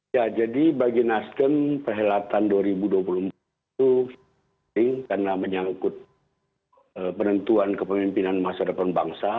ya jadi bagi nasdem perhelatan dua ribu dua puluh empat itu karena menyangkut penentuan kepemimpinan masyarakat pembangsa